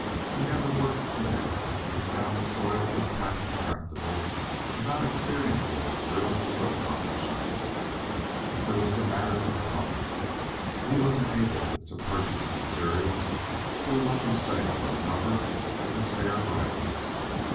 He never worked in it and found the soil unpacked and tractable without experiencing the thrill of accomplishment. There was the matter of the plumbing. He was enabled to purchase the materials through a lucky sale of a number of his hair bridles.